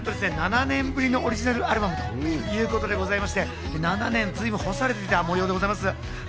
なんと７年ぶりのオリジナルアルバムということでございまして、７年、随分干されていたもようでございます。